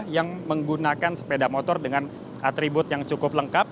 yang menggunakan sepeda motor dengan atribut yang cukup lengkap